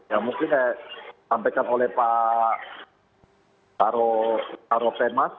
ya mungkin ya sampaikan oleh pak tarotemas